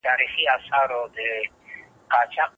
بيا بل ورته راسي او ورته ووايي، چي ما هغه نه پريښاوه.